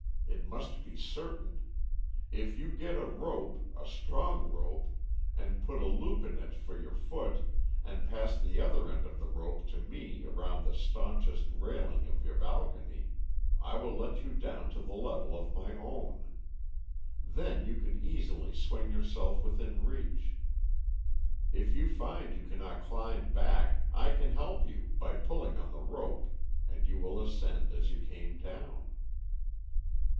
It must be certain. If you get a rope a strong rope and put a loop in it for your foot, and pass the other end of the rope to me around the staunchest railing of your balcony, I will let you down to the level of my own. Then you can easily swing yourself within reach. If you find you cannot climb back, I can help you, by pulling on the rope and you will ascend as you came down."